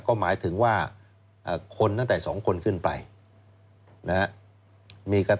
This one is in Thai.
ก็หมายถึงว่าคนตั้งแต่๒คนขึ้นไปนะครับ